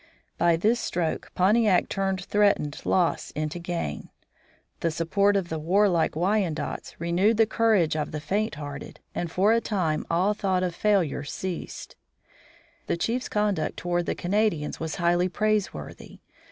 By this stroke Pontiac turned threatened loss into gain. The support of the warlike Wyandots renewed the courage of the faint hearted, and for a time all thought of failure ceased. The chiefs conduct toward the Canadians was highly praiseworthy.